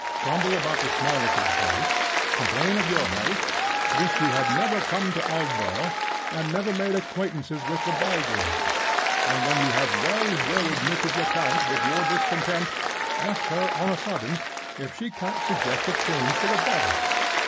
Grumble about the smallness of the place; complain of your health; wish you had never come to Aldborough, and never made acquaintances with the Bygraves; and when you have well worried Mrs. Lecount with your discontent, ask her on a sudden if she can't suggest a change for the better.